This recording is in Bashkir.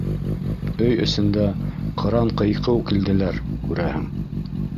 Өй эсендә ҡыран-ҡыйҡыу килделәр, күрәһең.